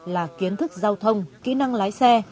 là kiến thức giao thông kỹ năng lái xe